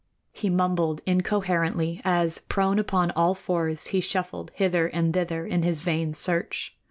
He mumbled incoherently as, prone upon all fours, he shuffled hither and thither in his vain search.